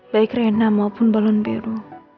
baik reina maupun balon beru